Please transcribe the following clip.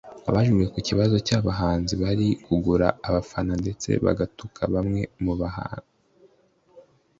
Abajijwe ku kibazo cy’abahanzi bari kugura abafana ndetse bagatuka bamwe mu bahanzi